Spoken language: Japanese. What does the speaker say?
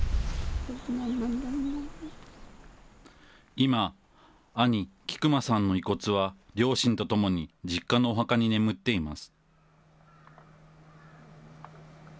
今、兄、菊間さんの遺骨は両親と共に実家のお墓に眠っています。